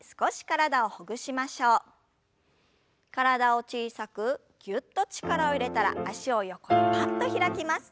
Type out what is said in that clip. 体を小さくぎゅっと力を入れたら脚を横にぱっと開きます。